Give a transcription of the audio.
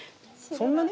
そんなに？